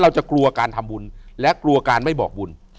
เราจะกลัวการทำบุญและกลัวการไม่บอกบุญ